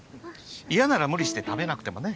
嫌なら無理して食べなくてもね。